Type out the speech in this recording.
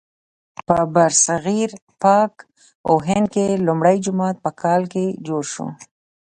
په برصغیر پاک و هند کې لومړی جومات په کال کې جوړ شو.